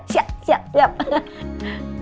siap siap siap